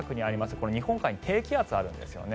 この日本海に低気圧があるんですよね。